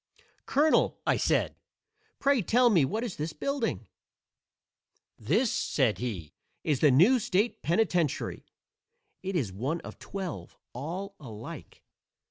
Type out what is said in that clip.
"Colonel," I said, "pray tell me what is this building." "This," said he, "is the new state penitentiary. It is one of twelve, all alike."